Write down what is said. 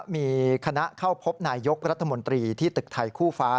มีคณะเข้าพบนายยกรัฐมนตรีที่ตึกไทยคู่ฟ้า